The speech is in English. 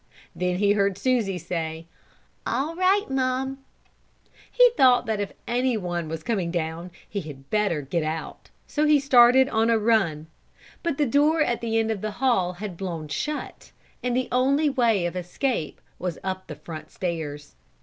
Then he heard Susie say, "All right, Mum." He thought that if anyone was coming down he had better get out so he started on a run, but the door at the end of the hall had blown shut, and the only other way of escape was up the front stairs.